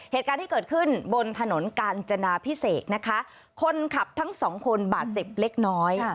เหตุการณ์ที่เกิดขึ้นบนถนนกาญจนาพิเศษนะคะคนขับทั้งสองคนบาดเจ็บเล็กน้อย